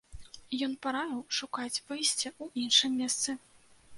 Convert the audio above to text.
Ён параіў шукаць выйсце ў іншым месцы.